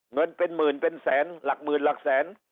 เงินเป็นหมื่นเป็นแสนหลักหมื่นหลักแสน